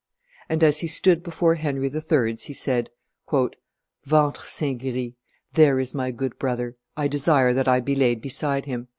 And, as he stood before Henry III.'s he said, "Ventre saint gris! There is my good brother; I desire that I be laid beside him."